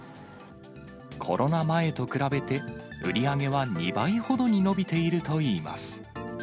コロナ前と比べて、売り上げは２倍ほどに伸びているといいます。